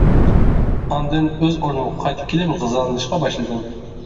ئاندىن ئۆز ئورنۇمغا قايتىپ كېلىپ غىزالىنىشقا باشلىدىم.